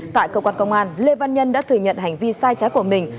tại cơ quan công an lê văn nhân đã thừa nhận hành vi sai trái của mình